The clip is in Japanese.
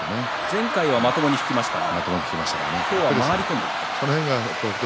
前回はまともに引きましたね。